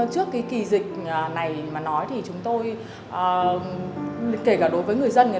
hãy đăng ký kênh để nhận thông tin nhất